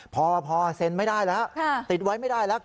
พอเซ็นไม่ได้แล้วติดไว้ไม่ได้แล้ว